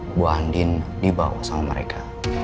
ibu andin dibawa sama mereka